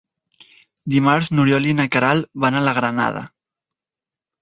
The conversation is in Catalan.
Dimarts n'Oriol i na Queralt van a la Granada.